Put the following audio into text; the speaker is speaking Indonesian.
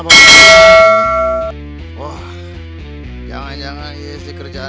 tidak ada yang bisa dipercaya